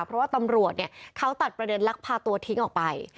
เพราะว่าตำรวจเขาตัดประเด็นลักพาตัวทิ้งออกไป